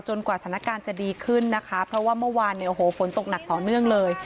กว่าสถานการณ์จะดีขึ้นนะคะเพราะว่าเมื่อวานเนี่ยโอ้โหฝนตกหนักต่อเนื่องเลย